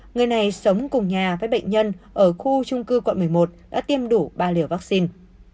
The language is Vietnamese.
người này sống cùng nhà với bệnh nhân ở khu trung cư quận một mươi một đã tiêm đủ ba liều vaccine